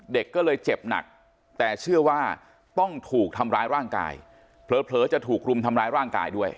เด็กก็เลยเจ็บหนักแต่เชื่อว่าต้องถูกทำร้ายร่างกายเผลอจะถูกรุมทำร้ายร่างกายด้วย